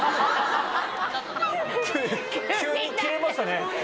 急にキレましたね。